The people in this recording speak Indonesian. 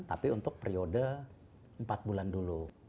tapi untuk periode empat bulan dulu